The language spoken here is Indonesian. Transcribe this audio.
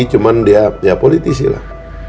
cuman dia ya politisi lah